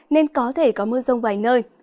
nên có thể có mưa rông vài nơi